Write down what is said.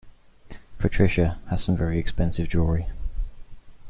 Patricia has some very expensive jewellery